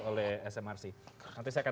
oleh smrc nanti saya akan